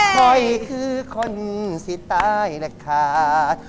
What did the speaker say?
คิดขึ้นคนสิตายและขาด